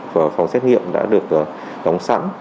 và phòng xét nghiệm đã được đóng sẵn